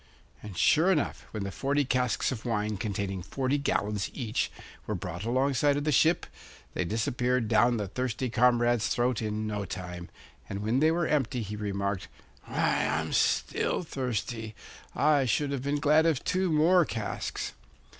And sure enough, when the forty casks of wine containing forty gallons each were brought alongside of the ship, they disappeared down the thirsty comrade's throat in no time; and when they were empty he remarked: 'Why, I'm still thirsty. I should have been glad of two more casks.